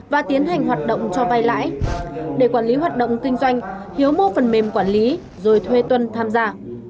và tiến hành hoạt động cho vay lãi để quản lý hoạt động kinh doanh hiếu mua phần mềm quản lý rồi thuê tuân tham gia